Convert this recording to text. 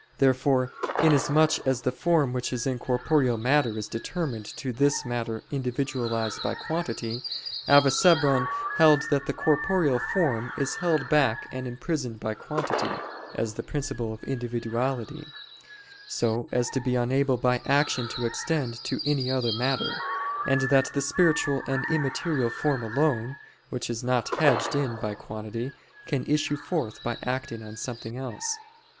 Therefore inasmuch as the form which is in corporeal matter is determined to this matter individualized by quantity, Avicebron held that the corporeal form is held back and imprisoned by quantity, as the principle of individuality, so as to be unable by action to extend to any other matter: and that the spiritual and immaterial form alone, which is not hedged in by quantity, can issue forth by acting on something else.